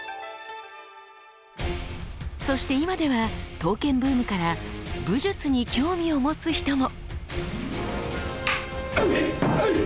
そして今では刀剣ブームから武術に興味を持つ人も！